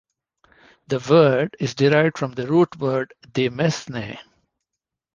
The word is derived from the root word demesne.